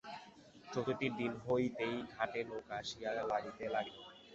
চতুর্থীর দিন হইতেই ঘাটে নৌকা আসিয়া লাগিতে লাগিল।